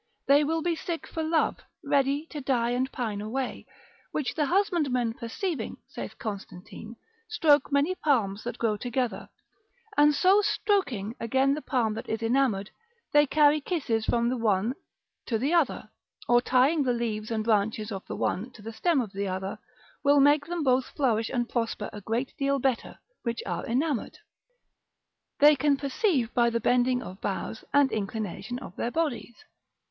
they will be sick for love; ready to die and pine away, which the husbandmen perceiving, saith Constantine, stroke many palms that grow together, and so stroking again the palm that is enamoured, they carry kisses from the one to the other: or tying the leaves and branches of the one to the stem of the other, will make them both flourish and prosper a great deal better: which are enamoured, they can perceive by the bending of boughs, and inclination of their bodies.